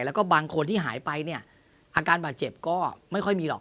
แล้วก็บางคนที่หายไปเนี่ยอาการบาดเจ็บก็ไม่ค่อยมีหรอก